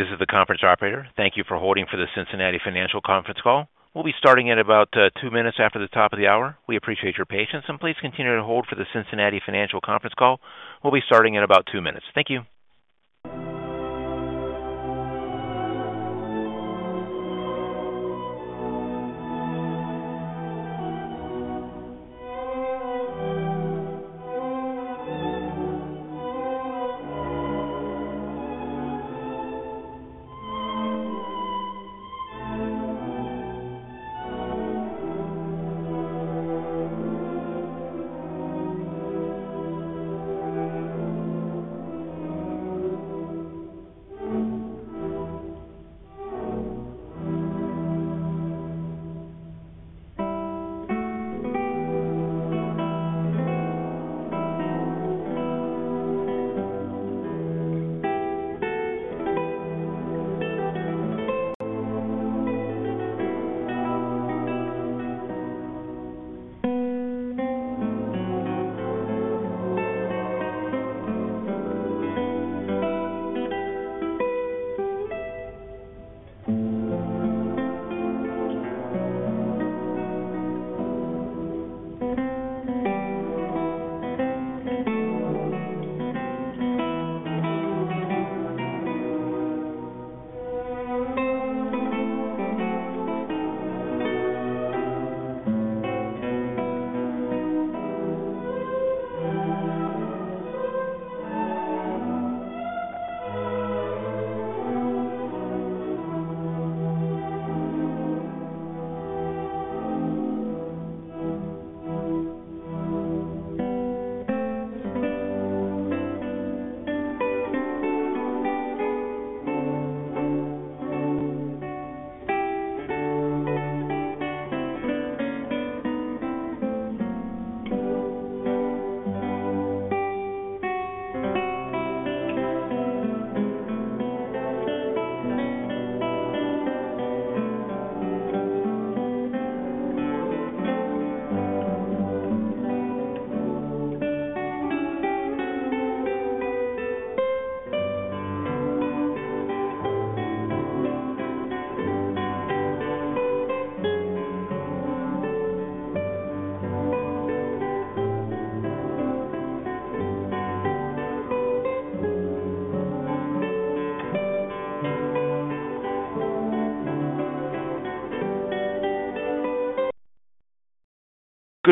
This is the conference operator. Thank you for holding for the Cincinnati Financial conference call. We'll be starting in about two minutes after the top of the hour. We appreciate your patience, and please continue to hold for the Cincinnati Financial conference call. We'll be starting in about two minutes. Thank you.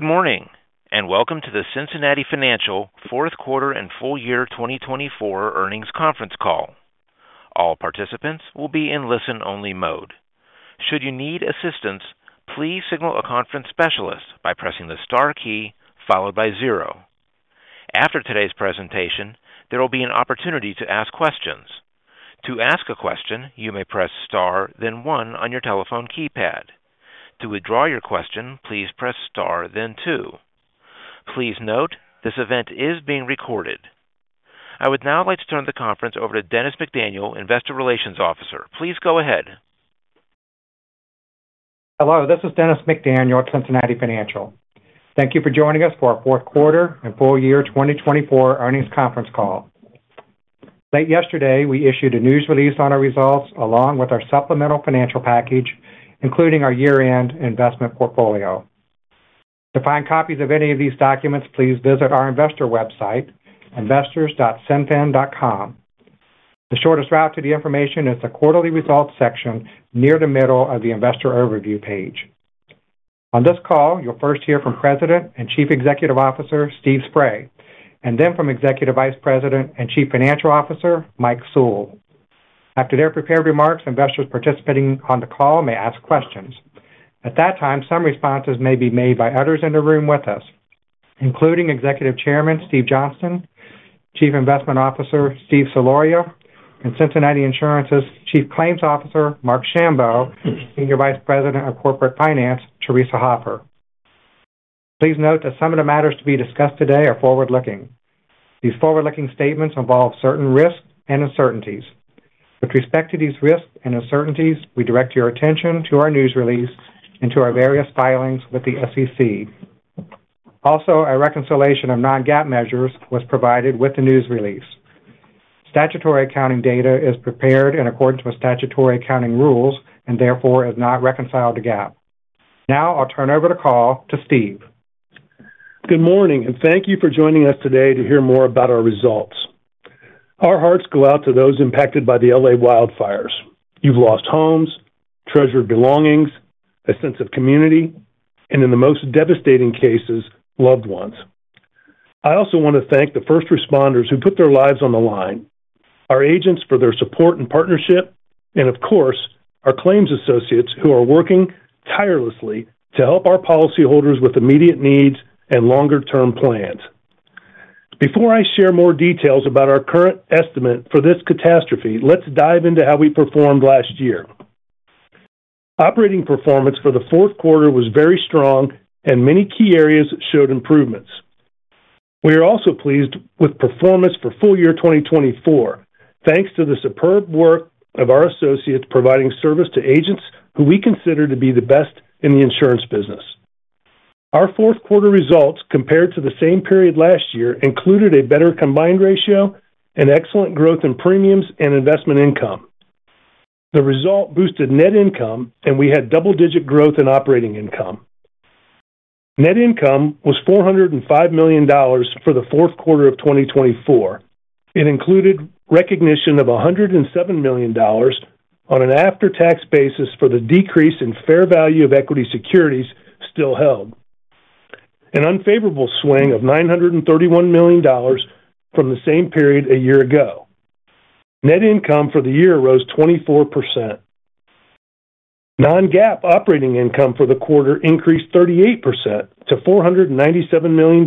Good morning, and welcome to the Cincinnati Financial fourth quarter and full year 2024 earnings conference call. All participants will be in listen-only mode. Should you need assistance, please signal a conference specialist by pressing the star key followed by zero. After today's presentation, there will be an opportunity to ask questions. To ask a question, you may press star, then one on your telephone keypad. To withdraw your question, please press star, then two. Please note this event is being recorded. I would now like to turn the conference over to Dennis McDaniel, Investor Relations Officer. Please go ahead. Hello, this is Dennis McDaniel at Cincinnati Financial. Thank you for joining us for our fourth quarter and full year 2024 earnings conference call. Late yesterday, we issued a news release on our results along with our supplemental financial package, including our year-end investment portfolio. To find copies of any of these documents, please visit our investor website, investors.cinfin.com. The shortest route to the information is the quarterly results section near the middle of the investor overview page. On this call, you'll first hear from President and Chief Executive Officer, Steve Spray, and then from Executive Vice President and Chief Financial Officer, Mike Sewell. After their prepared remarks, investors participating on the call may ask questions. At that time, some responses may be made by others in the room with us, including Executive Chairman, Steve Johnston, Chief Investment Officer, Steve Soloria, and Cincinnati Insurance's Chief Claims Officer, Marc Schambow, and Vice President of Corporate Finance, Theresa Hoffer. Please note that some of the matters to be discussed today are forward-looking. These forward-looking statements involve certain risks and uncertainties. With respect to these risks and uncertainties, we direct your attention to our news release and to our various filings with the SEC. Also, a reconciliation of non-GAAP measures was provided with the news release. Statutory accounting data is prepared in accordance with statutory accounting rules and therefore is not reconciled to GAAP. Now, I'll turn over the call to Steve. Good morning, and thank you for joining us today to hear more about our results. Our hearts go out to those impacted by the L.A. wildfires. You've lost homes, treasured belongings, a sense of community, and in the most devastating cases, loved ones. I also want to thank the first responders who put their lives on the line, our agents for their support and partnership, and of course, our claims associates who are working tirelessly to help our policyholders with immediate needs and longer-term plans. Before I share more details about our current estimate for this catastrophe, let's dive into how we performed last year. Operating performance for the fourth quarter was very strong, and many key areas showed improvements. We are also pleased with performance for full year 2024, thanks to the superb work of our associates providing service to agents who we consider to be the best in the insurance business. Our fourth quarter results compared to the same period last year included a better combined ratio, an excellent growth in premiums, and investment income. The result boosted net income, and we had double-digit growth in operating income. Net income was $405 million for the fourth quarter of 2024. It included recognition of $107 million on an after-tax basis for the decrease in fair value of equity securities still held, an unfavorable swing of $931 million from the same period a year ago. Net income for the year rose 24%. Non-GAAP operating income for the quarter increased 38% to $497 million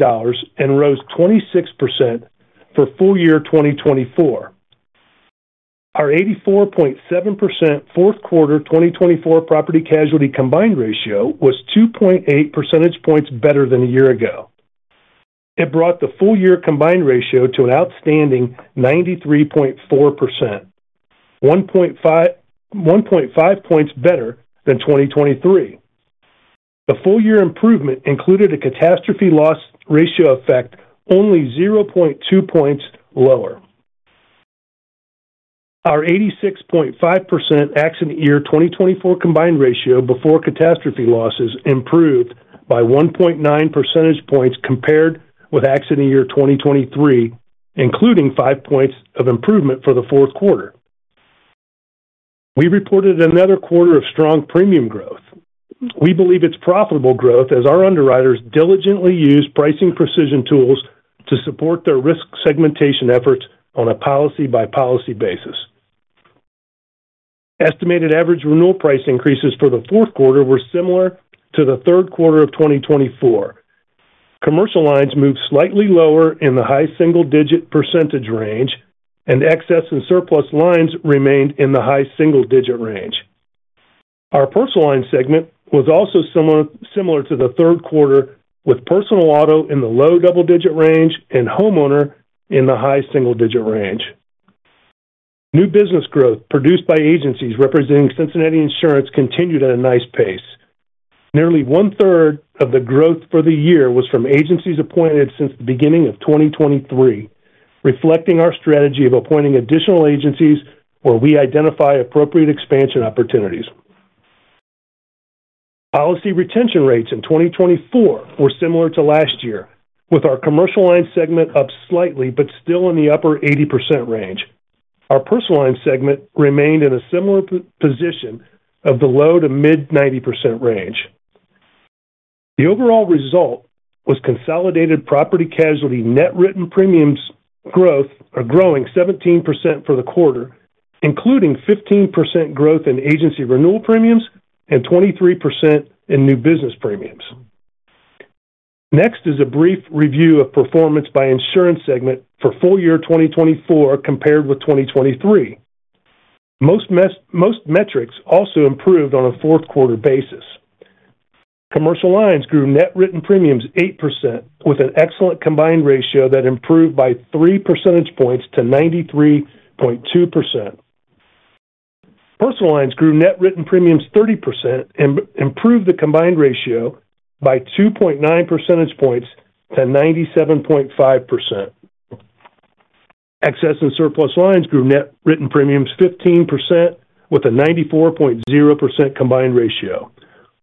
and rose 26% for full year 2024. Our 84.7% fourth quarter 2024 property casualty combined ratio was 2.8 percentage points better than a year ago. It brought the full year combined ratio to an outstanding 93.4%, 1.5 points better than 2023. The full year improvement included a catastrophe loss ratio effect only 0.2 points lower. Our 86.5% accident year 2024 combined ratio before catastrophe losses improved by 1.9 percentage points compared with accident year 2023, including five points of improvement for the fourth quarter. We reported another quarter of strong premium growth. We believe it's profitable growth as our underwriters diligently use pricing precision tools to support their risk segmentation efforts on a policy-by-policy basis. Estimated average renewal price increases for the fourth quarter were similar to the third quarter of 2024. Commercial lines moved slightly lower in the high single-digit % range, and excess and surplus lines remained in the high single-digit % range. Our personal line segment was also similar to the third quarter, with personal auto in the low double-digit range and homeowner in the high single-digit range. New business growth produced by agencies representing Cincinnati Insurance continued at a nice pace. Nearly one-third of the growth for the year was from agencies appointed since the beginning of 2023, reflecting our strategy of appointing additional agencies where we identify appropriate expansion opportunities. Policy retention rates in 2024 were similar to last year, with our commercial line segment up slightly but still in the upper 80% range. Our personal line segment remained in a similar position of the low to mid 90% range. The overall result was consolidated property casualty net written premiums growth, growing 17% for the quarter, including 15% growth in agency renewal premiums and 23% in new business premiums. Next is a brief review of performance by insurance segment for full year 2024 compared with 2023. Most metrics also improved on a fourth quarter basis. Commercial lines grew net written premiums 8% with an excellent combined ratio that improved by three percentage points to 93.2%. Personal lines grew net written premiums 30% and improved the combined ratio by 2.9 percentage points to 97.5%. Excess and surplus lines grew net written premiums 15% with a 94.0% combined ratio.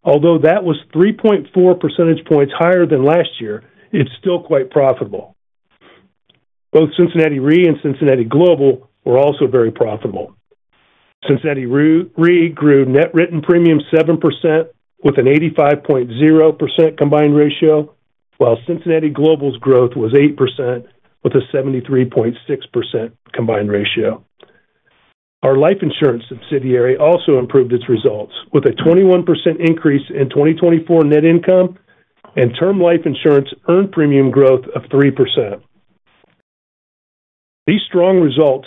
Although that was 3.4 percentage points higher than last year, it's still quite profitable. Both Cincinnati Re and Cincinnati Global were also very profitable. Cincinnati Re grew net written premiums 7% with an 85.0% combined ratio, while Cincinnati Global's growth was 8% with a 73.6% combined ratio. Our life insurance subsidiary also improved its results with a 21% increase in 2024 net income and term life insurance earned premium growth of 3%. These strong results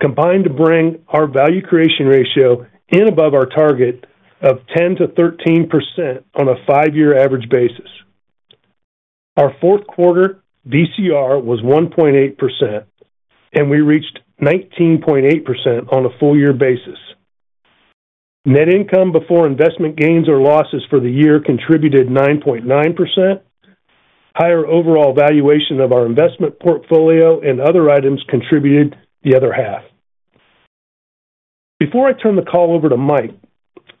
combined to bring our value creation ratio in above our target of 10%-13% on a five-year average basis. Our fourth quarter VCR was 1.8%, and we reached 19.8% on a full year basis. Net income before investment gains or losses for the year contributed 9.9%. Higher overall valuation of our investment portfolio and other items contributed the other half. Before I turn the call over to Mike,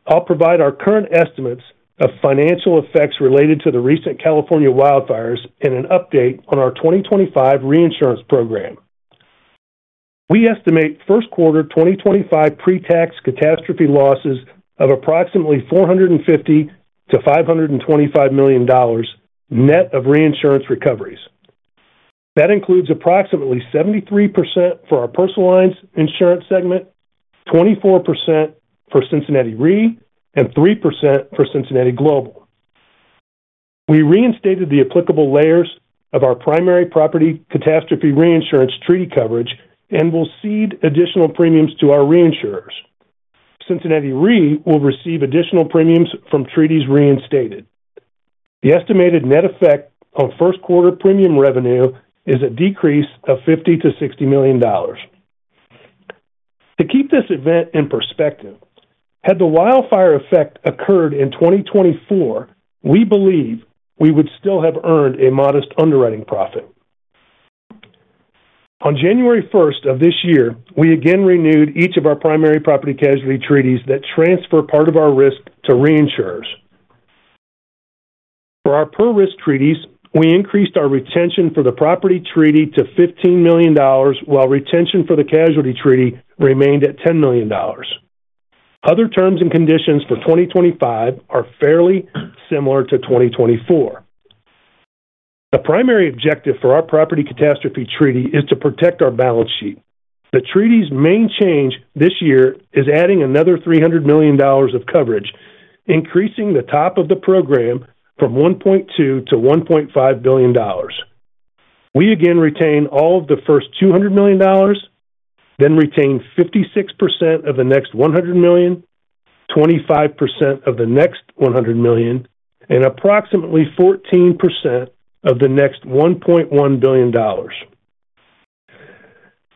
I'll provide our current estimates of financial effects related to the recent California wildfires and an update on our 2025 reinsurance program. We estimate first quarter 2025 pre-tax catastrophe losses of approximately $450 million-$525 million net of reinsurance recoveries. That includes approximately 73% for our personal lines insurance segment, 24% for Cincinnati Re, and 3% for Cincinnati Global. We reinstated the applicable layers of our primary property catastrophe reinsurance treaty coverage and will cede additional premiums to our reinsurers. Cincinnati Re will receive additional premiums from treaties reinstated. The estimated net effect of first quarter premium revenue is a decrease of $50 million-$60 million. To keep this event in perspective, had the wildfire effect occurred in 2024, we believe we would still have earned a modest underwriting profit. On January 1st of this year, we again renewed each of our primary property casualty treaties that transfer part of our risk to reinsurers. For our per-risk treaties, we increased our retention for the property treaty to $15 million, while retention for the casualty treaty remained at $10 million. Other terms and conditions for 2025 are fairly similar to 2024. The primary objective for our property catastrophe treaty is to protect our balance sheet. The treaty's main change this year is adding another $300 million of coverage, increasing the top of the program from $1.2 billion-$1.5 billion. We again retain all of the first $200 million, then retain 56% of the next $100 million, 25% of the next $100 million, and approximately 14% of the next $1.1 billion.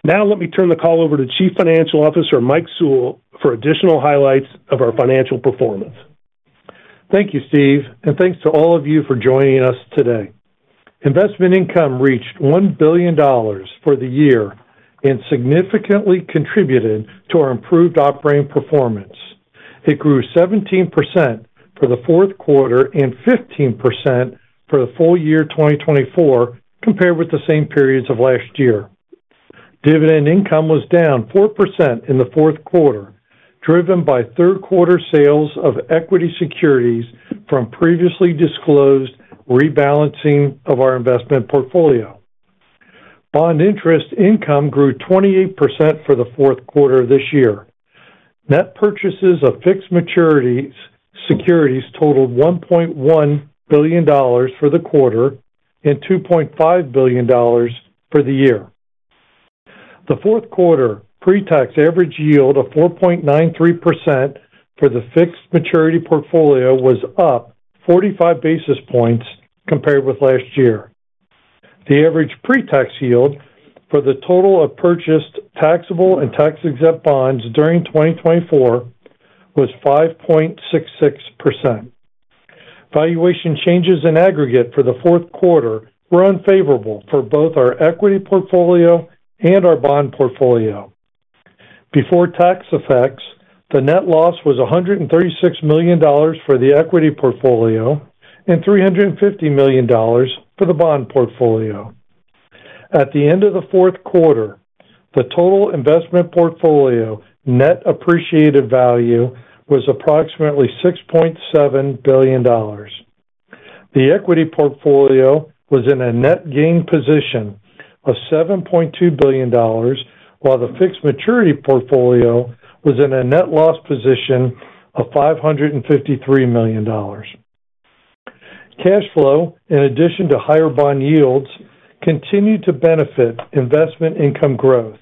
Now, let me turn the call over to Chief Financial Officer Mike Sewell for additional highlights of our financial performance. Thank you, Steve, and thanks to all of you for joining us today. Investment income reached $1 billion for the year and significantly contributed to our improved operating performance. It grew 17% for the fourth quarter and 15% for the full year 2024 compared with the same periods of last year. Dividend income was down 4% in the fourth quarter, driven by third quarter sales of equity securities from previously disclosed rebalancing of our investment portfolio. Bond interest income grew 28% for the fourth quarter of this year. Net purchases of fixed maturity securities totaled $1.1 billion for the quarter and $2.5 billion for the year. The fourth quarter pre-tax average yield of 4.93% for the fixed maturity portfolio was up 45 basis points compared with last year. The average pre-tax yield for the total of purchased taxable and tax-exempt bonds during 2024 was 5.66%. Valuation changes in aggregate for the fourth quarter were unfavorable for both our equity portfolio and our bond portfolio. Before tax effects, the net loss was $136 million for the equity portfolio and $350 million for the bond portfolio. At the end of the fourth quarter, the total investment portfolio net appreciated value was approximately $6.7 billion. The equity portfolio was in a net gain position of $7.2 billion, while the fixed maturity portfolio was in a net loss position of $553 million. Cash flow, in addition to higher bond yields, continued to benefit investment income growth.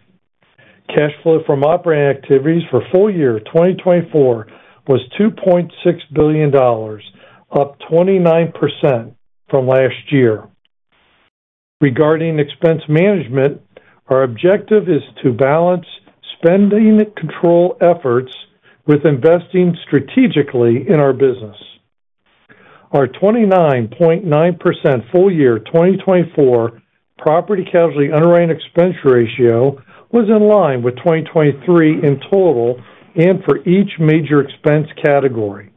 Cash flow from operating activities for full year 2024 was $2.6 billion, up 29% from last year. Regarding expense management, our objective is to balance spending control efforts with investing strategically in our business. Our 29.9% full year 2024 property casualty underwriting expense ratio was in line with 2023 in total and for each major expense category.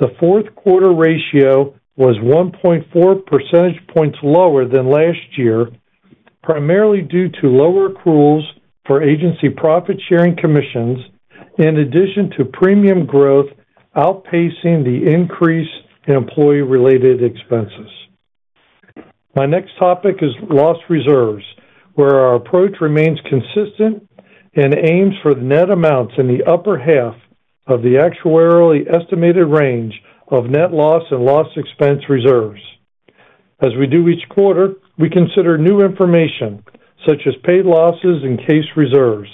The fourth quarter ratio was 1.4 percentage points lower than last year, primarily due to lower accruals for agency profit sharing commissions, in addition to premium growth outpacing the increase in employee-related expenses. My next topic is loss reserves, where our approach remains consistent and aims for the net amounts in the upper half of the actuarially estimated range of net loss and loss expense reserves. As we do each quarter, we consider new information such as paid losses and case reserves,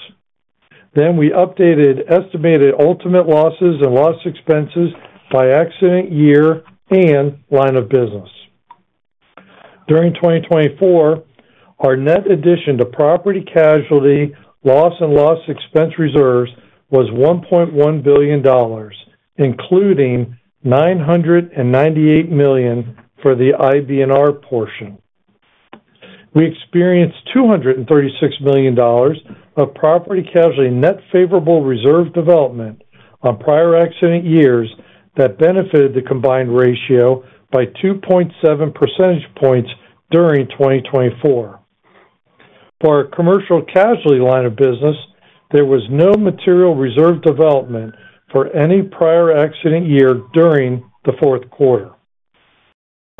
then we updated estimated ultimate losses and loss expenses by accident year and line of business. During 2024, our net addition to property casualty loss and loss expense reserves was $1.1 billion, including $998 million for the IBNR portion. We experienced $236 million of property casualty net favorable reserve development on prior accident years that benefited the combined ratio by 2.7 percentage points during 2024. For our commercial casualty line of business, there was no material reserve development for any prior accident year during the fourth quarter.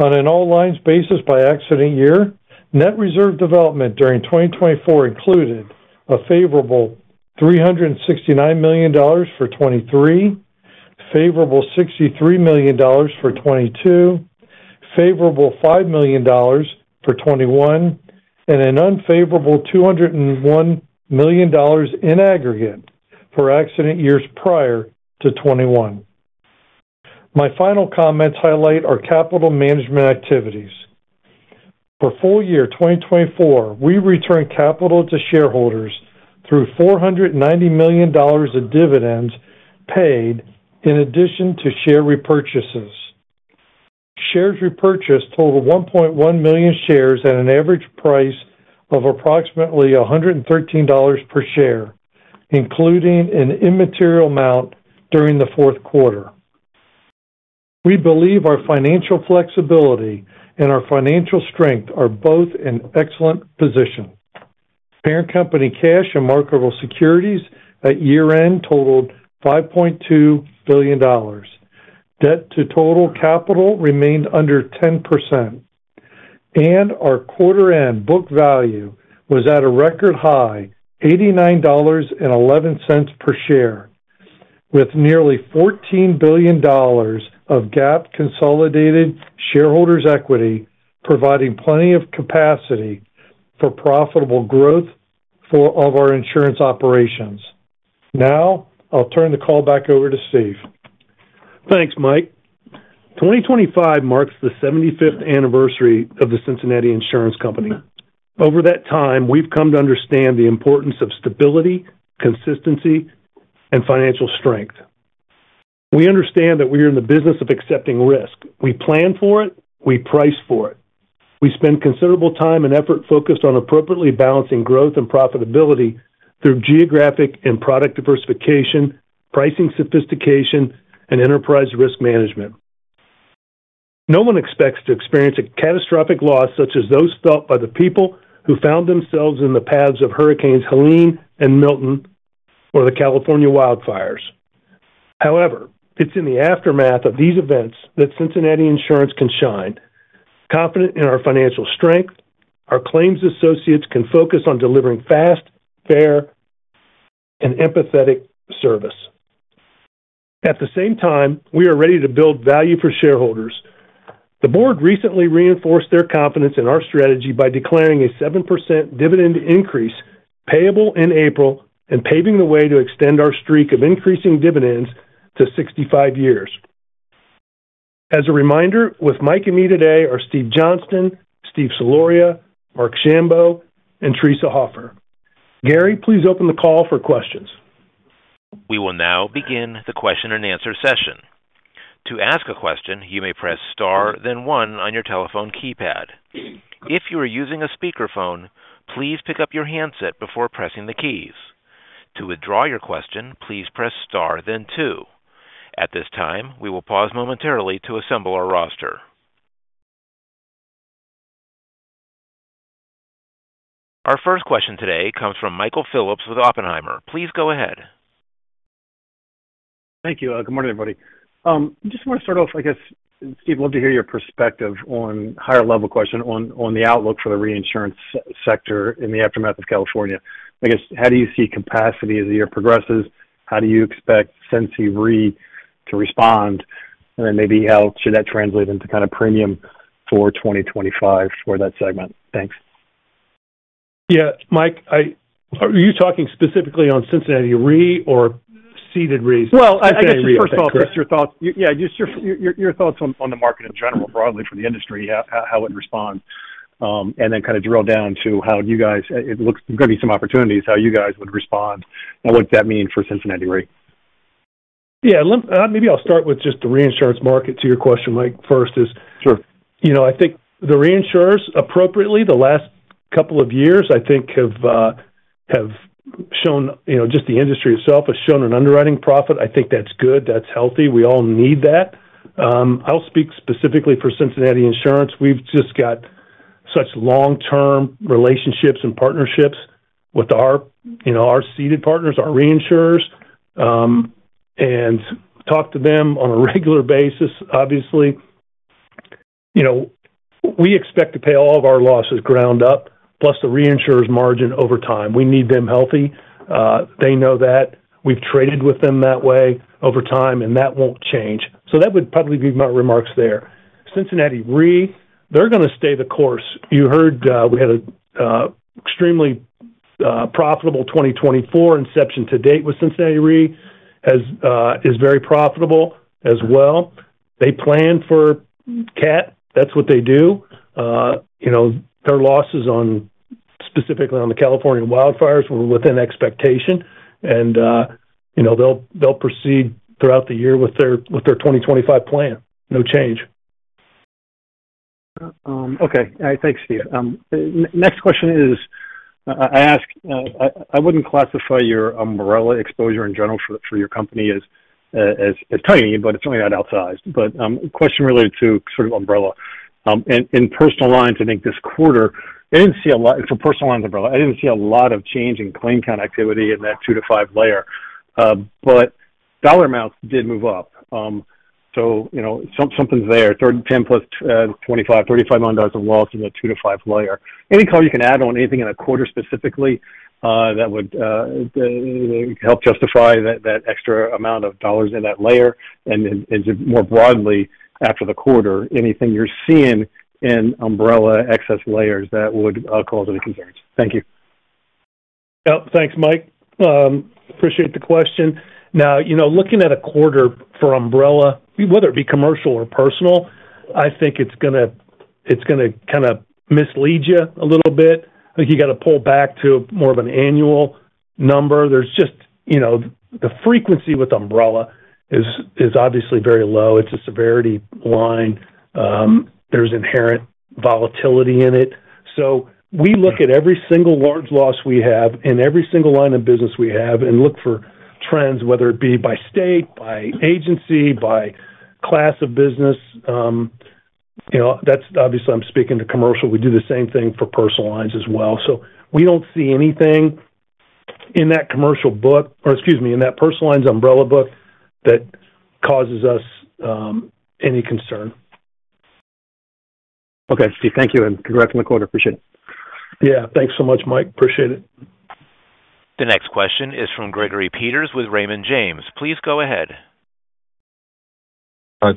On an all lines basis by accident year, net reserve development during 2024 included a favorable $369 million for 2023, favorable $63 million for 2022, favorable $5 million for 2021, and an unfavorable $201 million in aggregate for accident years prior to 2021. My final comments highlight our capital management activities. For full year 2024, we returned capital to shareholders through $490 million of dividends paid in addition to share repurchases. Shares repurchased totaled 1.1 million shares at an average price of approximately $113 per share, including an immaterial amount during the fourth quarter. We believe our financial flexibility and our financial strength are both in excellent position. Parent company cash and marketable securities at year-end totaled $5.2 billion. Debt to total capital remained under 10%, and our quarter-end book value was at a record high, $89.11 per share, with nearly $14 billion of GAAP consolidated shareholders' equity providing plenty of capacity for profitable growth for all of our insurance operations. Now, I'll turn the call back over to Steve. Thanks, Mike. 2025 marks the 75th anniversary of the Cincinnati Insurance Company. Over that time, we've come to understand the importance of stability, consistency, and financial strength. We understand that we are in the business of accepting risk. We plan for it. We price for it. We spend considerable time and effort focused on appropriately balancing growth and profitability through geographic and product diversification, pricing sophistication, and enterprise risk management. No one expects to experience a catastrophic loss such as those felt by the people who found themselves in the paths of Hurricanes Helene and Milton or the California wildfires. However, it's in the aftermath of these events that Cincinnati Insurance can shine. Confident in our financial strength, our claims associates can focus on delivering fast, fair, and empathetic service. At the same time, we are ready to build value for shareholders. The board recently reinforced their confidence in our strategy by declaring a 7% dividend increase payable in April and paving the way to extend our streak of increasing dividends to 65 years. As a reminder, with Mike and me today are Steve Johnston, Steve Soloria, Marc Schambow, and Theresa Hoffer. Gary, please open the call for questions. We will now begin the question and answer session. To ask a question, you may press star, then one on your telephone keypad. If you are using a speakerphone, please pick up your handset before pressing the keys. To withdraw your question, please press star, then two. At this time, we will pause momentarily to assemble our roster. Our first question today comes from Michael Phillips with Oppenheimer. Please go ahead. Thank you. Good morning, everybody. I just want to start off, I guess, Steve, love to hear your perspective on a higher-level question on the outlook for the reinsurance sector in the aftermath of California. I guess, how do you see capacity as the year progresses? How do you expect Cincinnati Re to respond? And then maybe how should that translate into kind of premium for 2025 for that segment? Thanks. Yeah, Mike, are you talking specifically on Cincinnati Re or? I guess, first of all, just your thoughts. Yeah, just your thoughts on the market in general, broadly for the industry, how it responds, and then kind of drill down to how you guys, it looks there's going to be some opportunities, how you guys would respond and what does that mean for Cincinnati Re? Yeah, maybe I'll start with just the reinsurance market to your question, Mike. First is, I think the reinsurers appropriately, the last couple of years, I think, have shown just the industry itself has shown an underwriting profit. I think that's good. That's healthy. We all need that. I'll speak specifically for Cincinnati Insurance. We've just got such long-term relationships and partnerships with our ceded partners, our reinsurers, and talk to them on a regular basis, obviously. We expect to pay all of our losses ground up, plus the reinsurers' margin over time. We need them healthy. They know that. We've traded with them that way over time, and that won't change, so that would probably be my remarks there. Cincinnati Re, they're going to stay the course. You heard we had an extremely profitable 2024 inception to date with Cincinnati Re. Is very profitable as well. They plan for CAT. That's what they do. Their losses specifically on the California wildfires were within expectation, and they'll proceed throughout the year with their 2025 plan. No change. Okay. Thanks, Steve. Next question is, I wouldn't classify your umbrella exposure in general for your company as tiny, but it's certainly not outsized, but question related to sort of umbrella. In personal lines, I think this quarter, I didn't see a lot for personal lines umbrella, I didn't see a lot of change in claim count activity in that two to five layer. But dollar amounts did move up. So something's there, 10 + 25, $35 million of loss in the two to five layer. Any color you can add on anything in a quarter specifically that would help justify that extra amount of dollars in that layer. And more broadly, after the quarter, anything you're seeing in umbrella excess layers that would cause any concerns. Thank you. Thanks, Mike. Appreciate the question. Now, looking at a quarter for umbrella, whether it be commercial or personal, I think it's going to kind of mislead you a little bit. I think you got to pull back to more of an annual number. There's just the frequency with umbrella is obviously very low. It's a severity line. There's inherent volatility in it. So we look at every single large loss we have in every single line of business we have and look for trends, whether it be by state, by agency, by class of business. That's obviously I'm speaking to commercial. We do the same thing for personal lines as well. So we don't see anything in that commercial book or, excuse me, in that personal lines umbrella book that causes us any concern. Okay. Steve, thank you. And congrats on the quarter. Appreciate it. Yeah. Thanks so much, Mike. Appreciate it. The next question is from Gregory Peters with Raymond James. Please go ahead.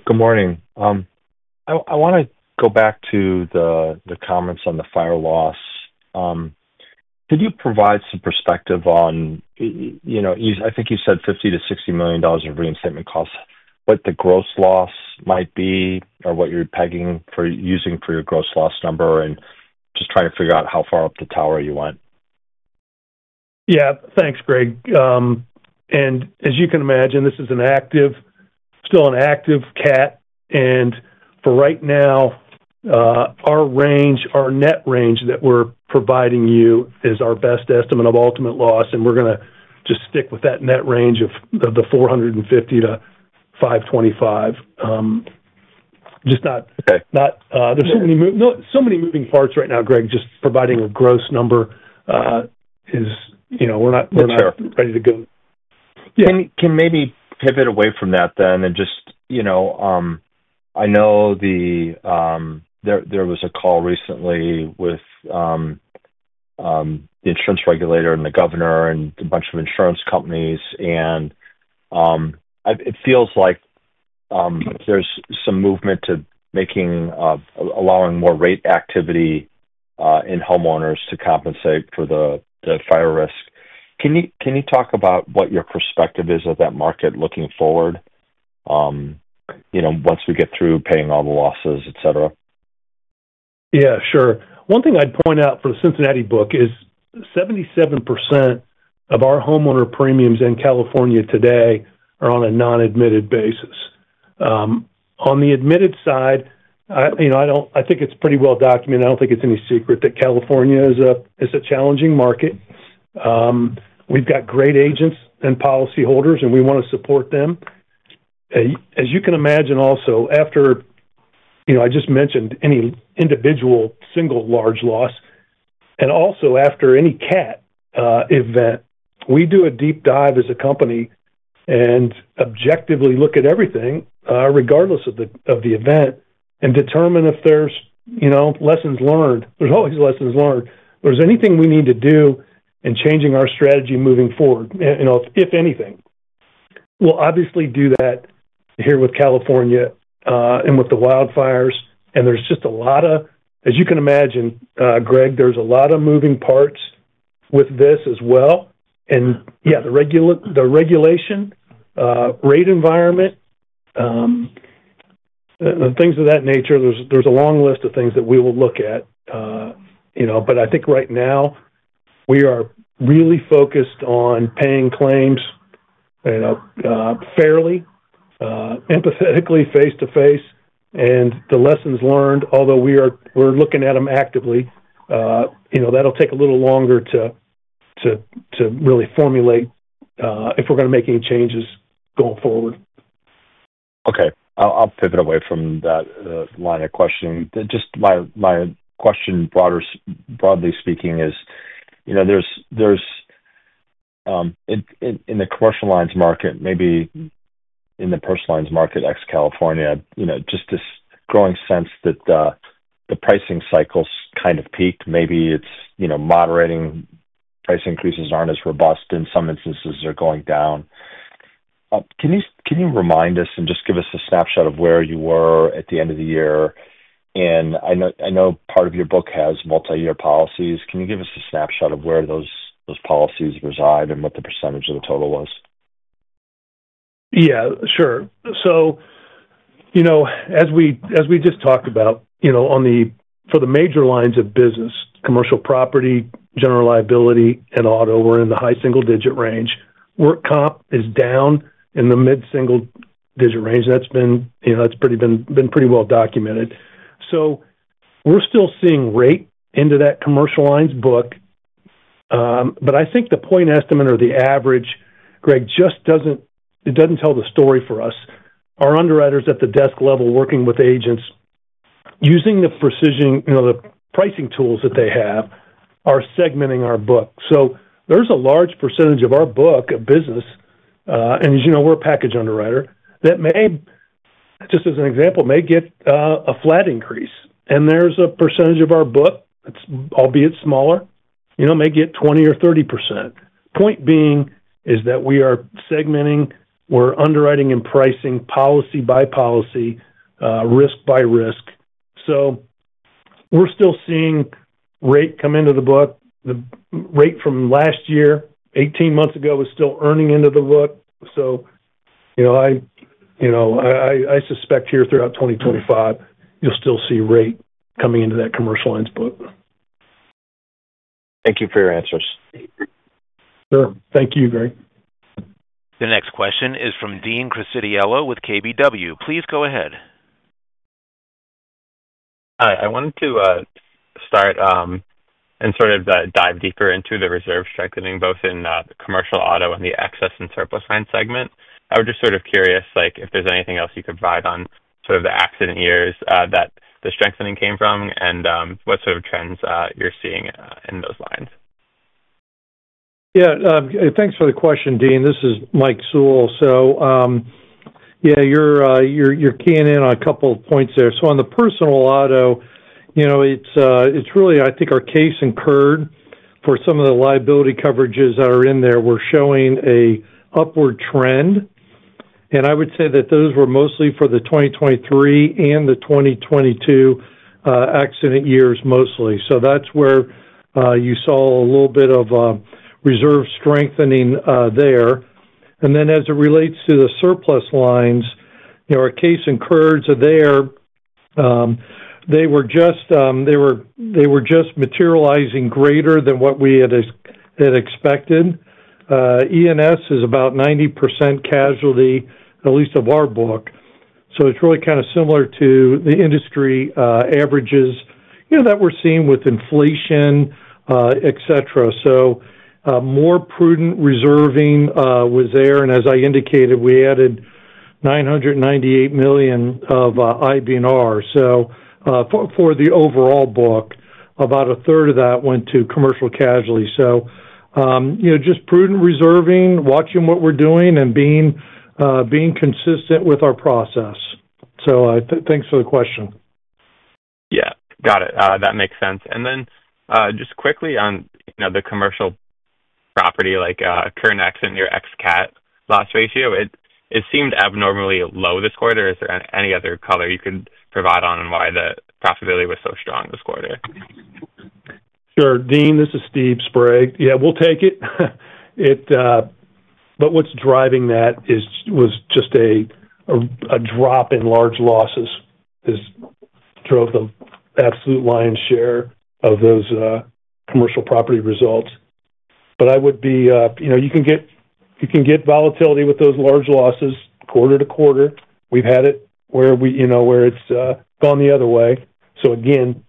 Good morning. I want to go back to the comments on the fire loss. Could you provide some perspective on, I think you said, $50 million-$60 million of reinstatement costs, what the gross loss might be or what you're pegging for using for your gross loss number and just trying to figure out how far up the tower you went? Yeah. Thanks, Greg. And as you can imagine, this is still an active CAT. And for right now, our net range that we're providing you is our best estimate of ultimate loss. And we're going to just stick with that net range of the $450 million-$525 million. Just not, there's so many moving parts right now, Greg, just providing a gross number. We're not ready to go. Can maybe pivot away from that then and just, I know there was a call recently with the insurance regulator and the governor and a bunch of insurance companies. It feels like there's some movement to allowing more rate activity in homeowners to compensate for the fire risk. Can you talk about what your perspective is of that market looking forward once we get through paying all the losses, etc.? Yeah, sure. One thing I'd point out for the Cincinnati book is 77% of our homeowner premiums in California today are on a non-admitted basis. On the admitted side, I think it's pretty well documented. I don't think it's any secret that California is a challenging market. We've got great agents and policyholders, and we want to support them. As you can imagine, also, after I just mentioned any individual single large loss, and also after any CAT event, we do a deep dive as a company and objectively look at everything, regardless of the event, and determine if there's lessons learned. There's always lessons learned. If there's anything we need to do in changing our strategy moving forward, if anything, we'll obviously do that here with California and with the wildfires, and there's just a lot of, as you can imagine, Greg, there's a lot of moving parts with this as well. Yeah, the regulation, rate environment, things of that nature. There's a long list of things that we will look at, but I think right now, we are really focused on paying claims fairly, empathetically, face to face, and the lessons learned, although we're looking at them actively. That'll take a little longer to really formulate if we're going to make any changes going forward. Okay. I'll pivot away from that line of questioning. Just my question, broadly speaking, is there's in the commercial lines market, maybe in the personal lines market, ex-California, just this growing sense that the pricing cycles kind of peak. Maybe it's moderating price increases aren't as robust. In some instances, they're going down. Can you remind us and just give us a snapshot of where you were at the end of the year? And I know part of your book has multi-year policies. Can you give us a snapshot of where those policies reside and what the percentage of the total was? Yeah, sure. So as we just talked about, for the major lines of business, commercial property, general liability, and auto, we're in the high single-digit range. Work comp is down in the mid-single-digit range. That's been pretty well documented. So we're still seeing rate into that commercial lines book. But I think the point estimate or the average, Greg, it doesn't tell the story for us. Our underwriters at the desk level working with agents, using the pricing tools that they have, are segmenting our book. So there's a large percentage of our book of business, and as you know, we're a package underwriter, that may, just as an example, may get a flat increase. And there's a percentage of our book, albeit smaller, may get 20% or 30%. Point being is that we are segmenting. We're underwriting and pricing policy by policy, risk by risk. So we're still seeing rate come into the book. The rate from last year, 18 months ago, is still earning into the book. So I suspect here throughout 2025, you'll still see rate coming into that commercial lines book. Thank you for your answers. Sure. Thank you, Greg. The next question is from Dean Criscitiello with KBW. Please go ahead. Hi. I wanted to start and sort of dive deeper into the reserve strengthening, both in commercial auto and the excess and surplus line segment. I was just sort of curious if there's anything else you could provide on sort of the accident years that the strengthening came from and what sort of trends you're seeing in those lines. Yeah. Thanks for the question, Dean. This is Mike Sewell. So yeah, you're keying in on a couple of points there. So on the personal auto, it's really, I think, our case incurred for some of the liability coverages that are in there. We're showing an upward trend. And I would say that those were mostly for the 2023 and the 2022 accident years, mostly. So that's where you saw a little bit of reserve strengthening there. And then as it relates to the surplus lines, our case incurred there, they were just materializing greater than what we had expected. E&S is about 90% casualty, at least of our book. So it's really kind of similar to the industry averages that we're seeing with inflation, etc. So more prudent reserving was there. And as I indicated, we added $998 million of IBNR. So for the overall book, about a third of that went to commercial casualty. So just prudent reserving, watching what we're doing, and being consistent with our process. So thanks for the question. Yeah. Got it. That makes sense. And then just quickly on the commercial property, like current accident year ex-CAT loss ratio, it seemed abnormally low this quarter. Is there any other color you could provide on why the profitability was so strong this quarter? Sure. Dean, this is Steve Spray. Yeah, we'll take it. But what's driving that was just a drop in large losses that drove the absolute lion's share of those commercial property results. But I would say you can get volatility with those large losses quarter to quarter. We've had it where it's gone the other way. So again,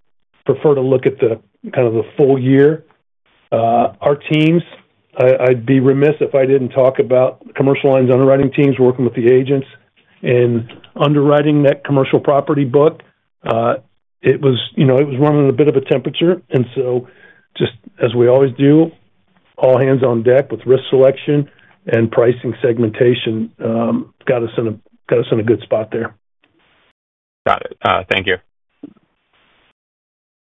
prefer to look at kind of the full year. Our teams, I'd be remiss if I didn't talk about the commercial lines underwriting teams working with the agents and underwriting that commercial property book. It was running a bit of a temperature. And so just as we always do, all hands on deck with risk selection and pricing segmentation got us in a good spot there. Got it. Thank you.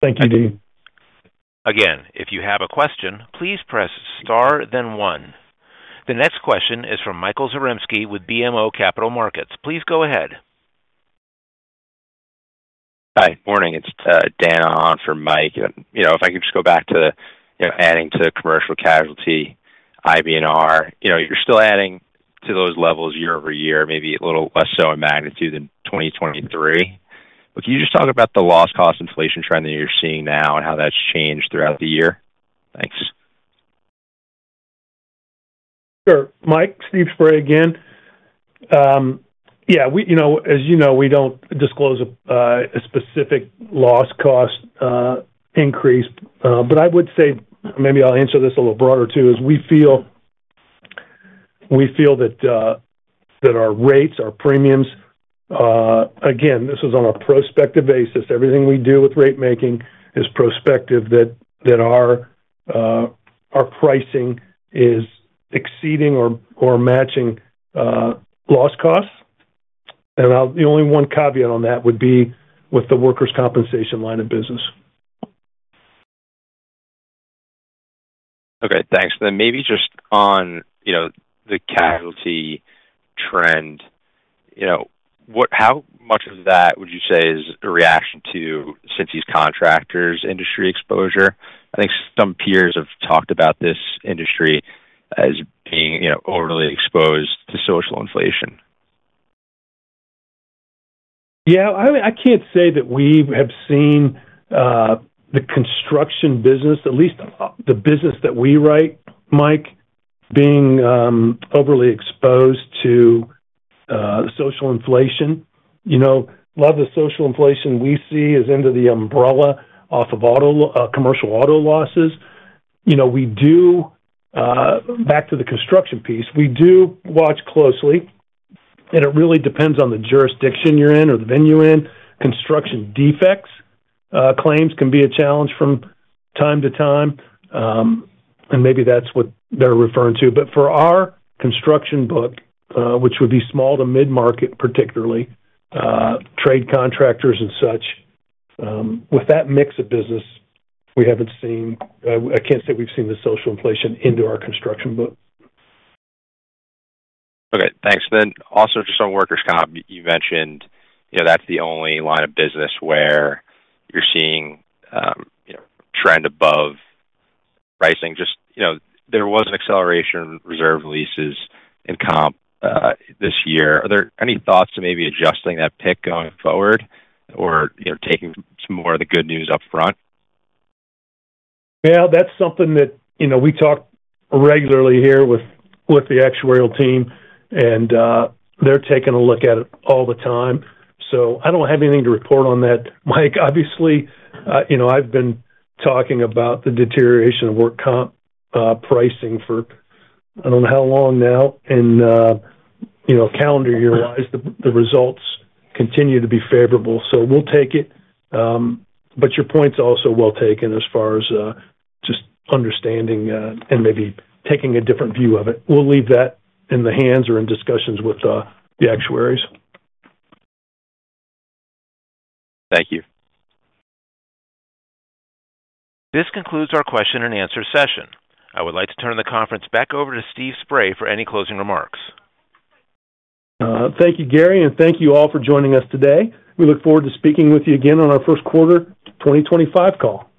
Thank you, Dean. Again, if you have a question, please press star, then one. The next question is from Michael Zaremski with BMO Capital Markets. Please go ahead. Hi. Morning. It's Dan on for Mike. If I could just go back to adding to Commercial Casualty, IBNR, you're still adding to those levels year over year, maybe a little less so in magnitude in 2023. But can you just talk about the loss cost inflation trend that you're seeing now and how that's changed throughout the year? Thanks. Sure. Mike, Steve Spray again. Yeah. As you know, we don't disclose a specific loss cost increase. But I would say, maybe I'll answer this a little broader too, is we feel that our rates, our premiums, again, this is on a prospective basis. Everything we do with rate-making is prospective that our pricing is exceeding or matching loss costs. And the only one caveat on that would be with the Workers' Compensation line of business. Okay. Thanks. Then maybe just on the casualty trend, how much of that would you say is a reaction to Cincinnati's contractors industry exposure? I think some peers have talked about this industry as being overly exposed to social inflation. Yeah. I can't say that we have seen the construction business, at least the business that we write, Mike, being overly exposed to social inflation. A lot of the social inflation we see is under the umbrella of commercial auto losses. Back to the construction piece, we do watch closely. It really depends on the jurisdiction you're in or the venue you're in. Construction defects claims can be a challenge from time to time. Maybe that's what they're referring to. But for our construction book, which would be small to mid-market, particularly trade contractors and such, with that mix of business, we haven't seen. I can't say we've seen the social inflation into our construction book. Okay. Thanks. Then also for some workers' comp, you mentioned that's the only line of business where you're seeing trend above pricing. Just there was an acceleration in reserve releases and comp this year. Are there any thoughts of maybe adjusting that pick going forward or taking some more of the good news upfront? Well, that's something that we talk regularly here with the actuarial team. And they're taking a look at it all the time. So I don't have anything to report on that, Mike. Obviously, I've been talking about the deterioration of work comp pricing for I don't know how long now. And calendar year-wise, the results continue to be favorable. So we'll take it. But your point's also well taken as far as just understanding and maybe taking a different view of it. We'll leave that in the hands or in discussions with the actuaries. Thank you. This concludes our question and answer session. I would like to turn the conference back over to Steve Spray for any closing remarks. Thank you, Gary. And thank you all for joining us today. We look forward to speaking with you again on our first quarter 2025 call.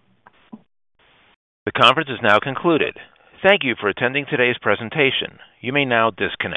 The conference is now concluded. Thank you for attending today's presentation. You may now disconnect.